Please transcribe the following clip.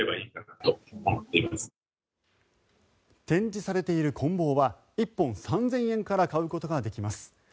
展示されているこん棒は１本３０００円から買うことができます。